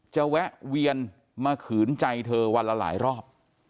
แวะเวียนมาขืนใจเธอวันละหลายรอบ